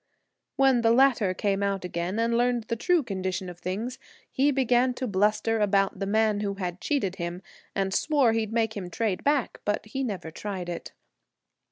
When the latter came out again and learned the true condition of things, he began to bluster about the man who had cheated him, and swore he'd make him trade back, but he never tried it.